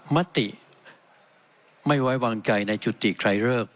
มติไม่ไว้วางใจในจุติใครเลิก